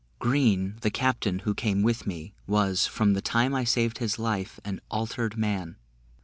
Green, the captain, who came with me, was, from the time I saved his life, an altered man.